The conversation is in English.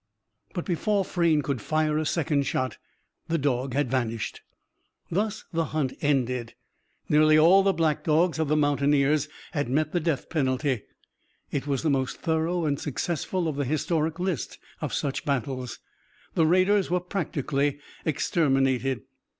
But, before Frayne could fire a second shot, the dog had vanished. Thus the hunt ended. Nearly all the black dogs of the mountaineers had met the death penalty. It was the most thorough and successful of the historic list of such battles. The raiders were practically exterminated.